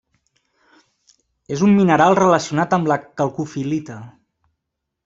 És un mineral relacionat amb la calcofil·lita.